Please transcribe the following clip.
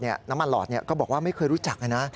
น้ำมันหลอดก็บอกว่าไม่เคยรู้จักนะ